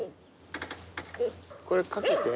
これ、かけて。